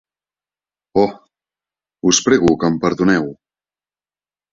Oh, us prego que em perdoneu.